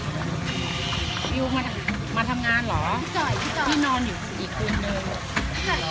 น้องวิวมาทำงานหรอที่นอนอยู่อีกคุณหนึ่ง